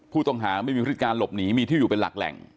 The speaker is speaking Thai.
ผู้ต้องหาไม่มีพฤติการหลบหนีมีที่อยู่เป็นหลักแหล่ง